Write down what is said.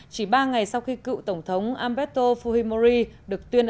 chỉ ba ngày sau khi cựu tổng thống alberto fujimori được tuyên ấn xá